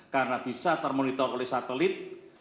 karena bisa termonitor oleh satelit